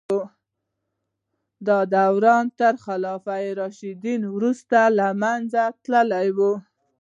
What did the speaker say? دا دوران تر خلفای راشدین وروسته له منځه تللی و.